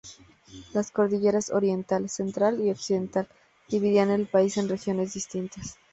Las cordilleras Oriental, Central y Occidental dividían el país en regiones distintas.